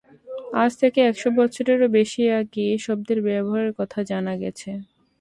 আজ থেকে একশো বছরেরও বেশি আগে এ শব্দের ব্যবহারের কথা জানা গেছে।